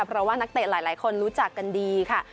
เพราะว่านักเตะหลายคนรู้จักกันดีค่ะ